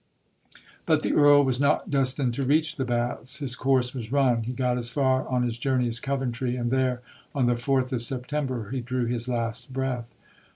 But the Earl was not destined to reach the baths. His course was run. He got as far on his journey as Coventry; and there, on the 4th of September, he drew his last breath.